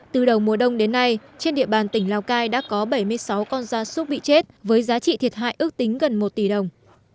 từ đầu mùa đông đến nay trên địa bàn tỉnh lào cai đã có bảy mươi sáu con da súc bị chết với giá trị thiệt hại ước tính gần một tỷ đồng